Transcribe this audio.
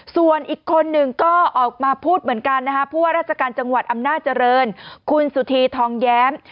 ส่วนอีกคนหนึ่งก็ออกมาพูดเหมือนกันนะคะผู้ว่าราชการจังหวัดอำนาจเจริญคุณสุธีทองแย้ม